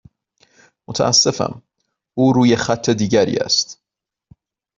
متاسفم، او روی خط دیگری است.